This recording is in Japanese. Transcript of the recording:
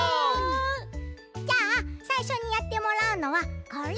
じゃあさいしょにやってもらうのはこれ！